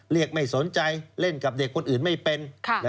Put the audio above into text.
ไม่สนใจเล่นกับเด็กคนอื่นไม่เป็น